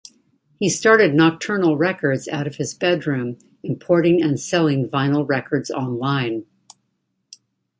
He started Nokturnal Records out of his bedroom, importing and selling vinyl records online.